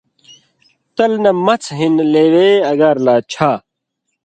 تل نہ مڅھہۡ ہِن لېوے اگار لا چھا۔